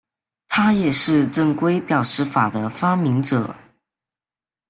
他也是正规表示法的发明者。